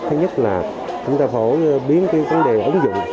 thứ nhất là chúng ta phổ biến cái vấn đề ứng dụng